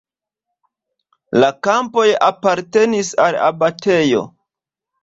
La kampoj apartenis al abatejo.